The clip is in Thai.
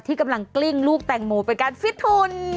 กำลังกลิ้งลูกแตงโมเป็นการฟิตทุน